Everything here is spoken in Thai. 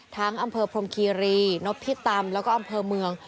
อำเภอพรมคีรีนพิตำแล้วก็อำเภอเมือง